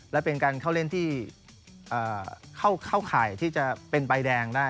และเป็นการเข้าเล่นที่เข้าข่ายที่จะเป็นใบแดงได้